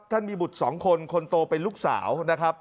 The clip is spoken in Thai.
ท่านมีบุตร๒คนคนโตเป็นลูกสาวนะครับ